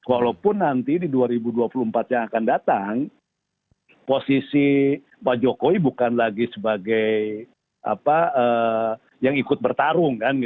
walaupun nanti di dua ribu dua puluh empat yang akan datang posisi pak jokowi bukan lagi sebagai yang ikut bertarung